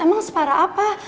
emang separah apa